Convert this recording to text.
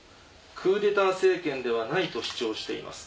「クーデター政権ではないと主張しています。